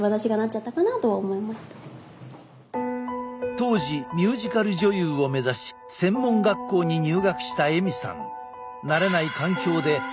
当時ミュージカル女優を目指し専門学校に入学したエミさん。